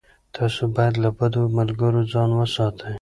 تاسو باید له بدو ملګرو ځان وساتئ.